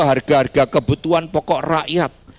harga harga kebutuhan pokok rakyat